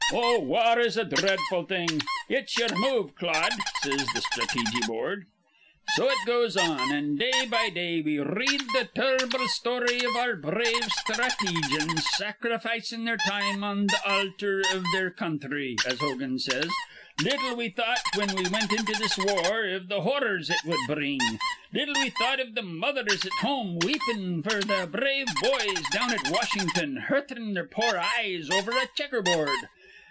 Oh, war is a dhreadful thing. It's ye'er move, Claude,' says th' Sthrateejy Board. "An' so it goes on; an' day by day we r read th' tur rble story iv our brave sthrateejans sacrificin' their time on th' altar iv their counthry, as Hogan says. Little we thought, whin we wint into this war, iv th' horrors it wud bring. Little we thought iv th' mothers at home weepin' f'r their brave boys down at Washin'ton hur rtin their poor eyes over a checker board.